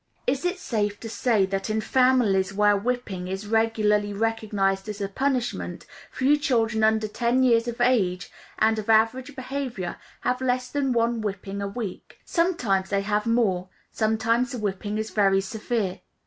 It is safe to say that in families where whipping is regularly recognized as a punishment, few children under ten years of age, and of average behavior, have less than one whipping a week. Sometimes they have more, sometimes the whipping is very severe.